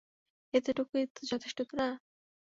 এতোটুকুই তো যথেষ্ট, না?